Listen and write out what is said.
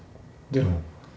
でも、